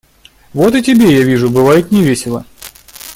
Вот и тебе, я вижу, бывает невесело?